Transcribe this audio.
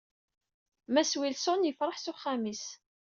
Mass Wilson yefṛeḥ s uxxam-is.